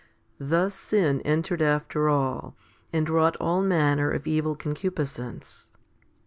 Thus sin entered after all, and wrought all manner of evil concupiscence?